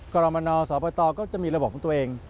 กรมนสปตก็จะมีระบบของตัวเอง